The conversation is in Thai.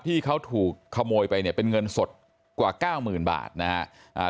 ที่เขาถูกขโมยไปเนี่ยเป็นเงินสดกว่าเก้าหมื่นบาทนะครับ